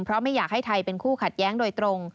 เพราะไม่อยากให้ไทยเป็นคู่ขัดแย้งโดยตรง